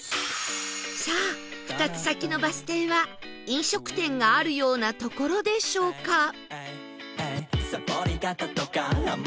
さあ２つ先のバス停は飲食店があるような所でしょうか？